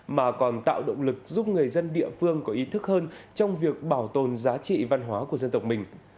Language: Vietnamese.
mà còn tạo động lực giúp người dân địa phương có ý thức hơn trong việc bảo tồn giá trị văn hóa của dân tộc mình